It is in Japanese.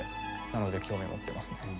なので興味を持ってますね。